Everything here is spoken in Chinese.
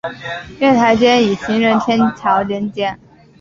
月台间以行人天桥连接。